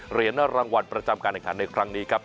เหรียญรางวัลประจำการแข่งขันในครั้งนี้ครับ